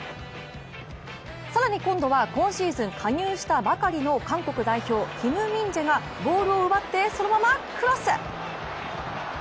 更に今度は今シーズン加入したばかりの韓国代表・キム・ミンジェがボールを奪ってそのままクロス。